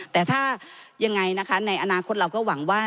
แต่ถ้ายังไงนะคะในอนาคตเราก็หวังว่า